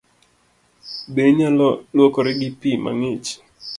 Be inyalo luokori gi pii mang'ich?